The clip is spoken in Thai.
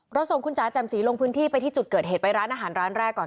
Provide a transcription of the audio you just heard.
ส่งคุณจ๋าแจ่มสีลงพื้นที่ไปที่จุดเกิดเหตุไปร้านอาหารร้านแรกก่อน